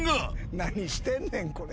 何してんねんこれ。